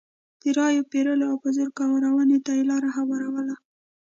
د رایو پېرلو او په زور کارونې ته یې لار هواروله.